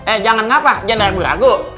eh jangan ngapa jangan ragu ragu